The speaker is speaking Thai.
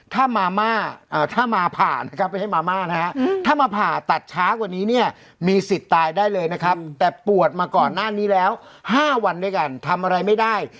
ถ้ามาผ่าตัดช้ากว่านี้เนี่ยมีสิทธิ์ตายได้เลยนะครับแต่ปวดมาก่อนหน้านี้แล้ว๕วันด้วยกันทำอะไรไม่ได้